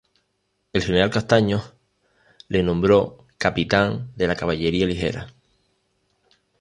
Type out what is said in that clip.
El general Castaños le nombró capitán de la caballería ligera.